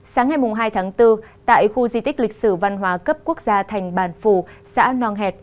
sáng ngày hai tháng bốn tại khu di tích lịch sử văn hóa cấp quốc gia thành bản phù xã nong hẹt